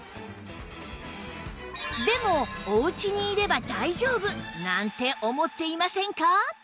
でもおうちにいれば大丈夫なんて思っていませんか？